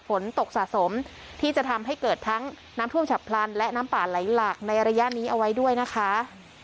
ฝนตกสะสมที่จะทำให้เกิดทั้งน้ำท่วมฉับพลันและน้ำป่าไหลหลากในระยะนี้เอาไว้ด้วยนะคะ